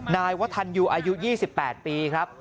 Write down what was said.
นายวัฒนยูอายุ๒๘ปีครับ